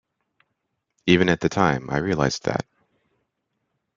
Even at the time, I realized that.